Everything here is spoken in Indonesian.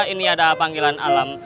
ini ada panggilan alam